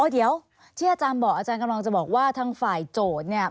เดี๋ยวที่อาจารย์บอกอาจารย์กำลังจะบอกว่าทางฝ่ายโจทย์เนี่ย